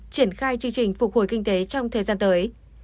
triển khai chương trình phục hồi kinh tế trong thời gian tới